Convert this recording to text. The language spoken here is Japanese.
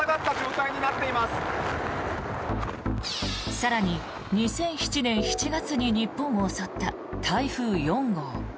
更に、２００７年７月に日本を襲った台風４号。